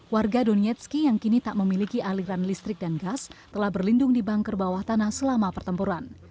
warga donetski yang kini tak memiliki aliran listrik dan gas telah berlindung di banker bawah tanah selama pertempuran